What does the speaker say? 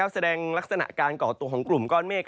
แสดงลักษณะการก่อตัวของกลุ่มก้อนเมฆ